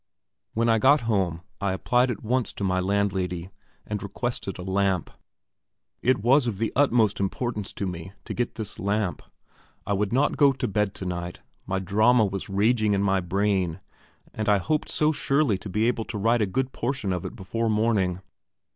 When I got home I applied at once to my landlady, and requested a lamp. It was of the utmost importance to me to get this lamp; I would not go to bed tonight; my drama was raging in my brain, and I hoped so surely to be able to write a good portion of it before morning.